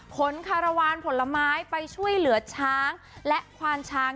คารวาลผลไม้ไปช่วยเหลือช้างและควานช้าง